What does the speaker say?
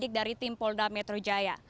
bagi para penyidik dari tim polda metro jaya